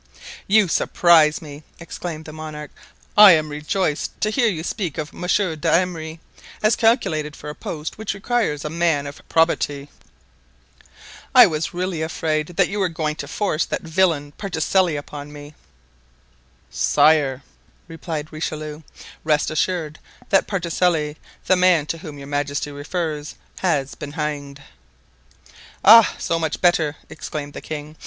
"You surprise me!" exclaimed the monarch. "I am rejoiced to hear you speak of Monsieur d'Emery as calculated for a post which requires a man of probity. I was really afraid that you were going to force that villain Particelli upon me." "Sire," replied Richelieu, "rest assured that Particelli, the man to whom your majesty refers, has been hanged." "Ah; so much the better!" exclaimed the king.